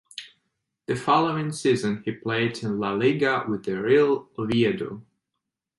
The following season he played in La Liga with Real Oviedo.